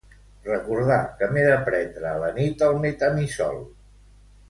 Recordar que m'he de prendre a la nit el metamizol.